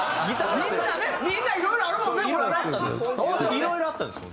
いろいろあったんですよ